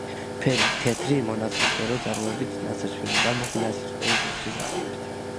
ფერი: თეთრი, მონაცრისფრო ძარღვებით; ნაცრისფერი და მუქი ნაცრისფერი, თეთრი ძარღვებით.